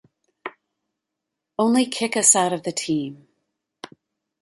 Only kick us out of the team.